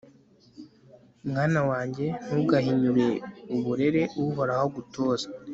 mwana wanjye, ntugahinyure uburere uhoraho agutoza